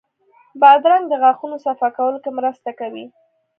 بادرنګ د غاښونو صفا کولو کې مرسته کوي.